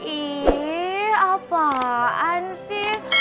ih apaan sih